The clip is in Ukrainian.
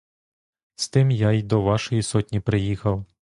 З тим я й до вашої сотні приїхав.